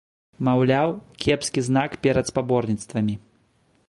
Маўляў, кепскі знак перад спаборніцтвамі.